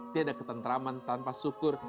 tiada ketentraman tanpa syukur